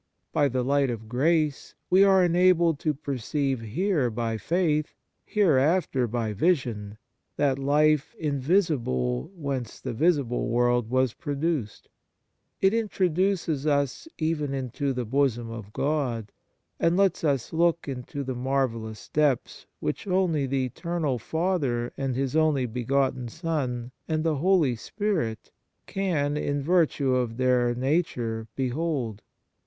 By the light of grace we are* enabled to perceive here by faith, hereafter by vision, that life invisible whence the visible world was produced. It introduces us even into the bosom of God, and lets us look into the mysterious depths which only the Eternal Father and His only begotten Son, and the Holy Spirit, can in virtue of Their nature behold.